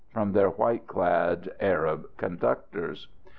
from their white clad Arab conductors.